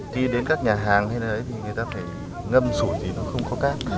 khi đến các nhà hàng hay là thế thì người ta phải ngâm sủi thì nó không có cát